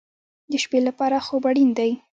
د شپې لپاره خوب اړین دی